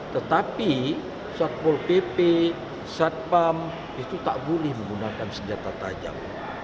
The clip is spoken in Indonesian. tetapi satpol pp satpam itu tak boleh menggunakan senjata tajam